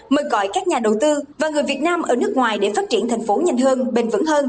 mời gọi các nhà đầu tư và người việt nam ở nước ngoài để phát triển thành phố nhanh hơn bền vững hơn